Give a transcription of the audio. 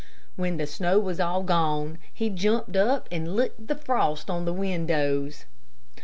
When the snow was all gone, he jumped up and licked the frost on the windows.